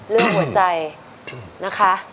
เรื่องหัวใจนะคะ